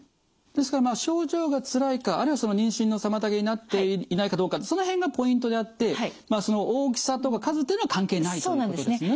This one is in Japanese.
ですから症状がつらいかあるいはその妊娠の妨げになっていないかどうかってその辺がポイントであって大きさとか数っていうのは関係ないということですね。